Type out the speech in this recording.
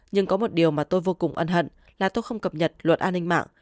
nhưng có một điều mà tôi vô cùng ân hận là tôi không cập nhật luật an ninh mạng